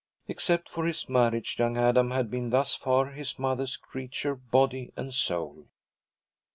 Except for his marriage, young Adam had been thus far his mother's creature, body and soul.